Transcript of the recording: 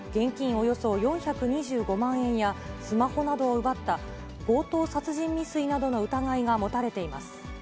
およそ４２５万円や、スマホなどを奪った強盗殺人未遂などの疑いが持たれています。